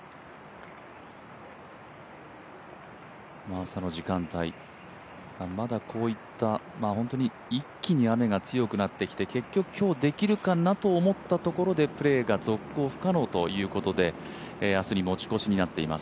朝の時間帯、まだこういった一気に雨が強くなってきて結局今日、できるかなと思ったところでプレーが続行不可能ということで、明日に持ち越しになっています。